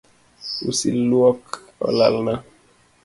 Usi luok olalna